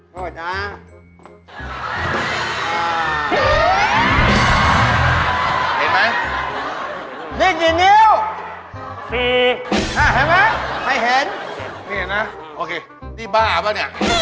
ให้ถึงมาสุดอ่ะ